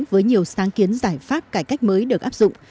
với nhiều sáng kiến giải pháp cải cách mới được áp dụng